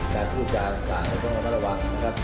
แต่พูดจากหลังก็เรามาระวังนะครับ